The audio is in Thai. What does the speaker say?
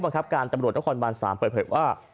ครับการตำรวจนครบาน๓เปิดเผยว่า